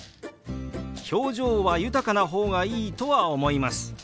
表情は豊かな方がいいとは思います。